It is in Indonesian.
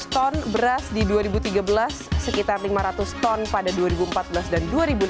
lima ratus ton beras di dua ribu tiga belas sekitar lima ratus ton pada dua ribu empat belas dan dua ribu lima belas